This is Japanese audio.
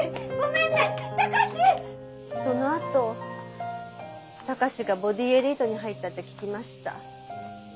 そのあと貴史がボディエリートに入ったって聞きました。